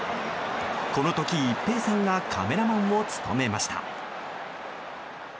この時、一平さんがカメラマンを務めました。